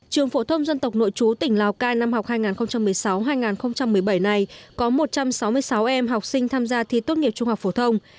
trường phổ thông dân tộc nội chú tỉnh lào cai năm học hai nghìn một mươi sáu hai nghìn một mươi bảy này có một trăm sáu mươi sáu em học sinh tham gia thi tốt nghiệp trung học phổ thông